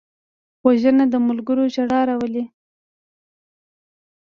وژنه د ملګرو ژړا راولي